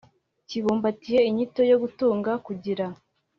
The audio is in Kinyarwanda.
kibumbatiye inyito yo gutunga, kugira,